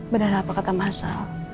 benar apa kata mas sal